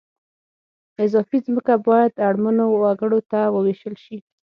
اضافي ځمکه باید اړمنو وګړو ته ووېشل شي